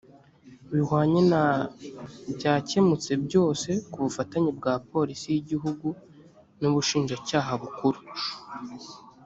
bihwanye na byakemutse byose kubufatanye bwa polisi y igihugu n ubushinjacyaha bukuru